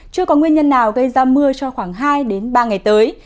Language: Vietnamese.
chưa có nguyên nhân nào gây ra mưa cho khoảng hai ba ngày tới